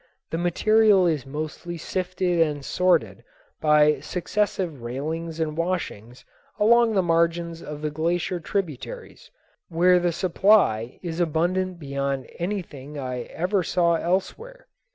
The material is mostly sifted and sorted by successive railings and washings along the margins of the glacier tributaries, where the supply is abundant beyond anything I ever saw elsewhere.